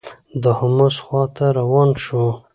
د حمص خوا ته روان شو.